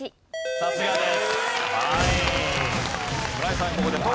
さすがです。